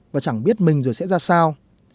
và chẳng biết mình rồi sẽ ra sao